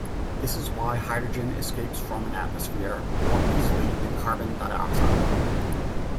This is why hydrogen escapes from an atmosphere more easily than carbon dioxide.